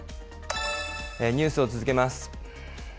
ニュースを続けます。